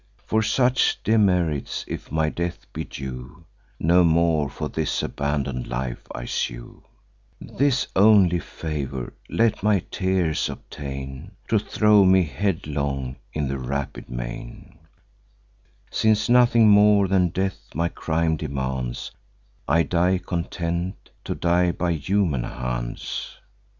For such demerits if my death be due, No more for this abandon'd life I sue; This only favour let my tears obtain, To throw me headlong in the rapid main: Since nothing more than death my crime demands, I die content, to die by human hands.